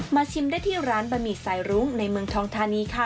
ชิมได้ที่ร้านบะหมี่สายรุ้งในเมืองทองทานีค่ะ